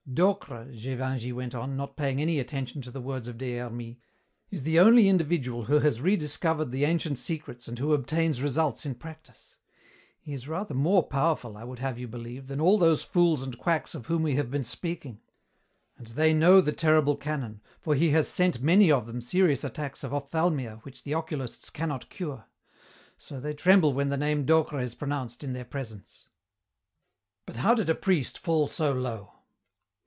"Docre," Gévingey went on, not paying any attention to the words of Des Hermies, "is the only individual who has rediscovered the ancient secrets and who obtains results in practise. He is rather more powerful, I would have you believe, than all those fools and quacks of whom we have been speaking. And they know the terrible canon, for he has sent many of them serious attacks of ophthalmia which the oculists cannot cure. So they tremble when the name Docre is pronounced in their presence." "But how did a priest fall so low?"